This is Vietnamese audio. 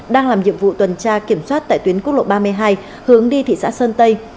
đang làm nhiệm vụ tuần tra kiểm soát tại tuyến quốc lộ ba mươi hai hướng đi thị xã sơn tây